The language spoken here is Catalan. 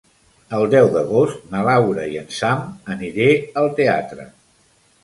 El deu d'agost na Laura i en Sam aniré al teatre.